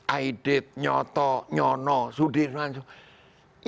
aidit nyoto nyono sudir dan lain sebagainya